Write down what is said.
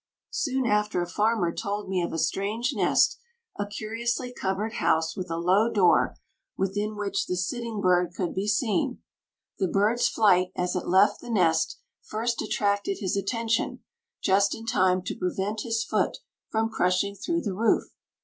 Soon after a farmer told me of a strange nest, a curiously covered house with a low door, within which the sitting bird could be seen. The bird's flight as it left the nest first attracted his attention, just in time to prevent his foot from crushing through the roof.